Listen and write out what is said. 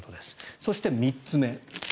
そして、３つ目。